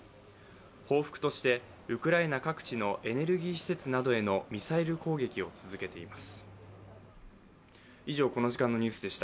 報復としてウクライナ各地のエネルギー施設などへのミサイル攻撃を続けています。